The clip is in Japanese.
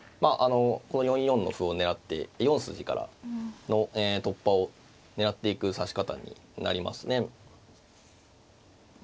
この４四の歩を狙って４筋からの突破を狙っていく指し方になりますね。